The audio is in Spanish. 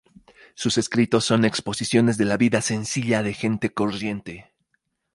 Sus escritos son exposiciones de la vida sencilla de gente corriente.